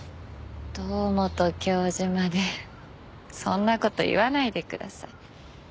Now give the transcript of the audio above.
堂本教授までそんな事言わないでください。